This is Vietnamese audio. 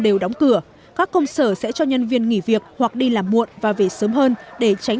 đều đóng cửa các công sở sẽ cho nhân viên nghỉ việc hoặc đi làm muộn và về sớm hơn để tránh